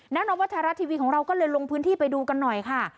แน่นอนว่าไทยรัฐทีวีของเราก็เลยลงพื้นที่ไปดูกันหน่อยค่ะ